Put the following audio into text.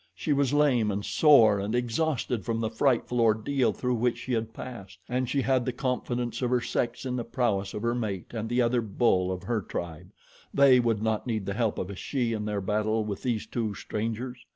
She was lame and sore and exhausted from the frightful ordeal through which she had passed, and she had the confidence of her sex in the prowess of her mate and the other bull of her tribe they would not need the help of a she in their battle with these two strangers.